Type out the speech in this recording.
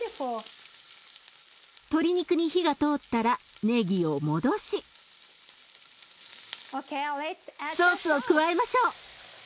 鶏肉に火が通ったらねぎを戻しソースを加えましょう！